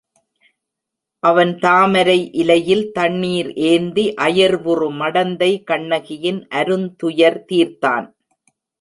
அவன் தாமரை இலையில் தண்ணீர் ஏந்தி அயர்வுறு மடந்தை கண்ணகியின் அருந்துயர் தீர்த்தான்.